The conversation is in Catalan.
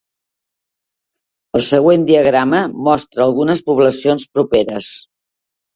El següent diagrama mostra algunes poblacions properes.